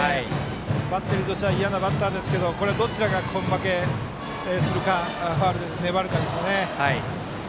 バッテリーとしては嫌なバッターですけどこれは、どちらが根負けするかファウルで粘るかですね。